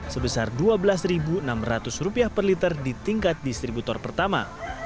sebesar rp dua belas enam ratus per liter di tingkat distributor pertama